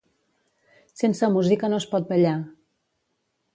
Sense música no es pot ballar.